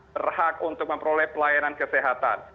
berhak untuk memperoleh pelayanan kesehatan